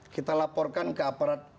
kita laporkan ke aparat